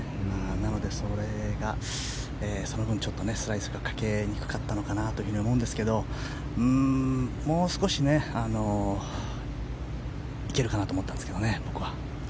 なので、その分、スライスがかけにくかったのかなと思うんですけどもう少し行けるかなと思ったんですけどね、僕は。